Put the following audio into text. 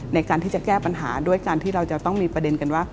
ในการที่จะแก้ปัญหาด้วยการที่เราจะต้องมีประเด็นกันว่า